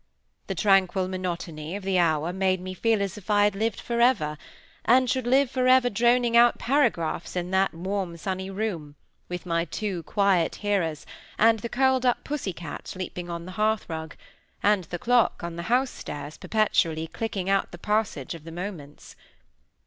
The tranquil monotony of that hour made me feel as if I had lived for ever, and should live for ever droning out paragraphs in that warm sunny room, with my two quiet hearers, and the curled up pussy cat sleeping on the hearth rug, and the clock on the house stairs perpetually clicking out the passage of the moments.